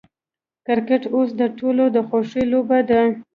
کرکټ اوس د ټولو د خوښې لوبه ده.